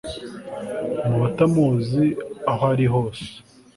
mu batamuzi, aho ari hose